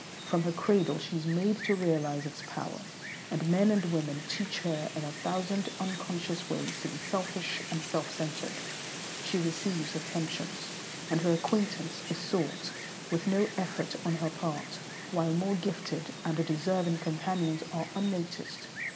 From her cradle she is made to realize its power, and men and women teach her in a thousand unconscious ways to be selfish and self centred. She receives attentions, and her acquaintance is sought, with no effort on her part, while more gifted and deserving companions are unnoticed.